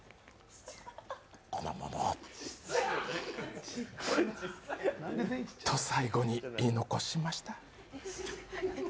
この桃を、と最後に言い残しました。